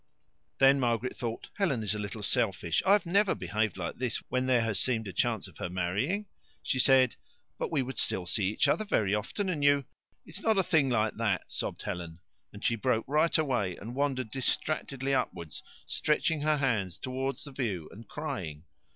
Then Margaret thought, "Helen is a little selfish. I have never behaved like this when there has seemed a chance of her marrying. She said: "But we would still see each other very often, and " "It's not a thing like that," sobbed Helen. And she broke right away and wandered distractedly upwards, stretching her hands towards the view and crying.